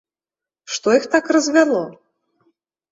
Што іх так развяло?